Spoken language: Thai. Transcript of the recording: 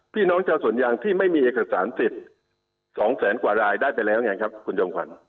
พี่น้องชาวสวนยางที่ไม่มีเอกสารสิทธิ์๒แสนกว่ารายได้ไปแล้วไงครับคุณจอมขวัญ